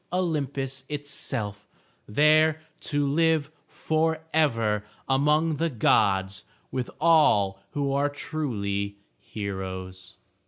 Olympus itself, there to live forever among the gods with all who are truly heroes.